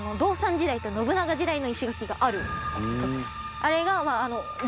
あれが道